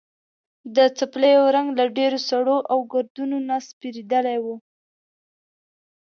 د څپلیو رنګ له ډېرو سړو او ګردونو نه سپېرېدلی و.